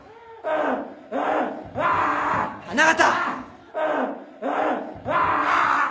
花形！